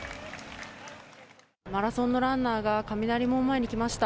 マラソンのランナーが雷門前に来ました。